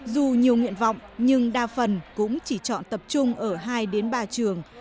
dù nhiều nguyện vọng nhưng đa phần cũng chỉ chọn tập trung ở hai đến ba trường